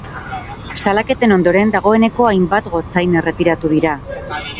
Salaketen ondoren, dagoeneko hainbat gotzain erretiratu dira.